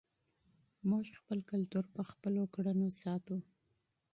موږ خپل کلتور په خپلو لاسونو پالو.